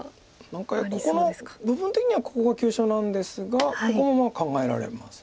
何かここの部分的にはここが急所なんですがここも考えられます。